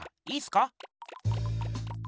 いいすか？